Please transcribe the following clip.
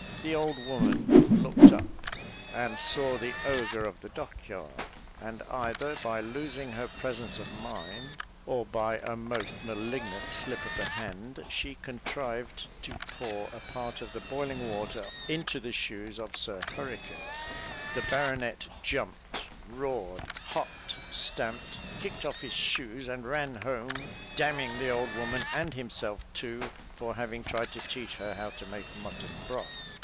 The old woman looked up, and saw the ogre of the dockyard; and either by losing her presence of mind, or by a most malignant slip of the hand, she contrived to pour a part of the boiling water into the shoes of Sir Hurricane. The baronet jumped, roared, hopped, stamped, kicked off his shoes, and ran home, d ning the old woman, and himself too, for having tried to teach her how to make mutton broth.